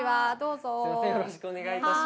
よろしくお願いします。